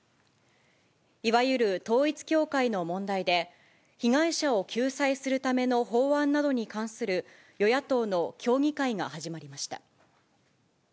いわゆる統一教会の問題で、被害者を救済するための法案などに関する与野党の協議会が始まりました。